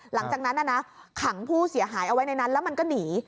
หลังจากนั้นขังผู้เสียหายเอาไว้ในนั้นแล้วมันก็หนี